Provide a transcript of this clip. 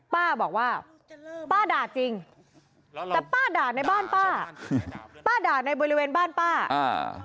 ป้าบอกว่าป้าด่าจริงแต่ป้าด่าในบ้านป้าป้าด่าในบริเวณบ้านป้าอ่า